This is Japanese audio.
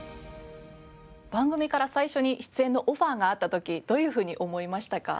番組から最初に出演のオファーがあった時どういうふうに思いましたか？